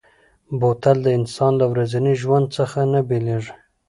بوتل د انسان له ورځني ژوند څخه نه بېلېږي.